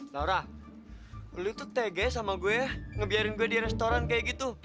laura lo tuh tegas sama gue ya ngebiarin gue di restoran kayak gitu